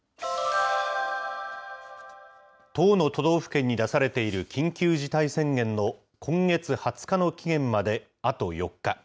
１０の都道府県に出されている緊急事態宣言の今月２０日の期限まであと４日。